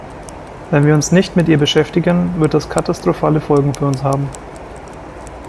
Wenn wir uns nicht mit ihr beschäftigen, wird das katastrophale Folgen für uns haben.